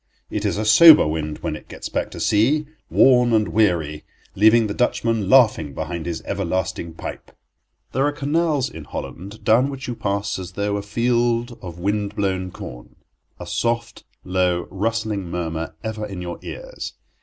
It is a sober wind when it gets back to sea, worn and weary, leaving the Dutchman laughing behind his everlasting pipe. There are canals in Holland down which you pass as though a field of wind blown corn; a soft, low, rustling murmur ever in your ears.